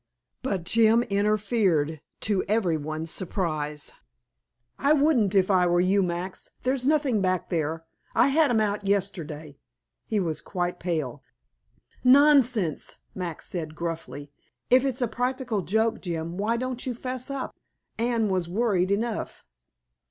But Jim interfered, to every one's surprise. "I wouldn't, if I were you, Max. There's nothing back there. I had 'em out yesterday." He was quite pale. "Nonsense!" Max said gruffly. "If it's a practical joke, Jim, why don't you fess up? Anne has worried enough."